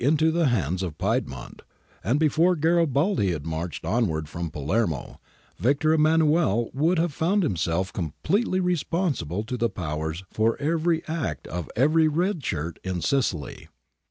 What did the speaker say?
54 GARIBALDI AND THE MAKING OF ITALY the hands of Piedmont, and before Garibaldi had marched onward from Palermo, Victor Emmanuel would have found himself completely responsible to the Powers for every act of every red shirt in Sicily.